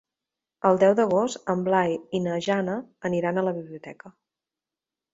El deu d'agost en Blai i na Jana aniran a la biblioteca.